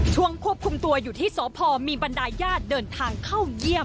ควบคุมตัวอยู่ที่สพมีบรรดายญาติเดินทางเข้าเยี่ยม